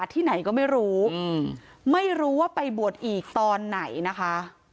ที่ไหนก็ไม่รู้ไม่รู้ว่าไปบวชอีกตอนไหนนะคะ